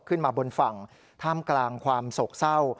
ขึ้นมาบนฝั่งท่ามกลางความโศกเศร้า